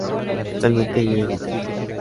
Actualmente vive en Italia.